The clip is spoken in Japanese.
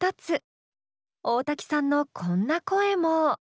大瀧さんのこんな声も。